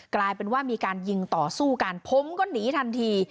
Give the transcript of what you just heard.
กลายเป็นว่ามีการยิงต่อสู้กันผมก็หนีทันที